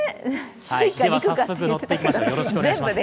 では早速、乗っていきましょう。